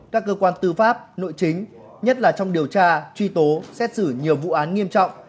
các cơ quan tư pháp nội chính nhất là trong điều tra truy tố xét xử nhiều vụ án nghiêm trọng